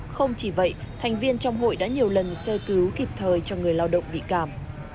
không chỉ vậy thành viên trong hội đã nhiều lần sơ cứu kịp thời cho người lao động bị cảm